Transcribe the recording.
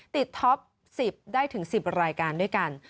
ท็อป๑๐ได้ถึง๑๐รายการด้วยกัน